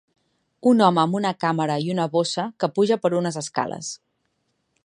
Un home amb una càmera i una bossa que puja per unes escales.